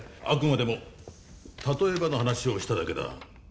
あくまでも例えばの話をしただけだ